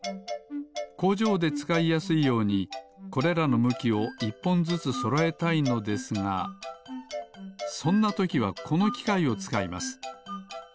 こうじょうでつかいやすいようにこれらのむきを１ぽんずつそろえたいのですがそんなときはこのきかいをつかいます。